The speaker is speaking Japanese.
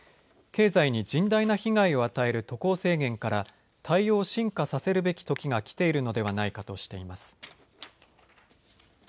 経済に甚大な被害を与える渡航制限から対応を進化させるべきときが来ているのではないかとしています。